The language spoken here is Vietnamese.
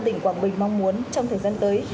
tỉnh quảng bình mong muốn trong thời gian tới